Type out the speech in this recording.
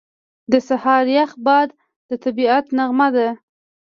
• د سهار یخ باد د طبیعت نغمه ده.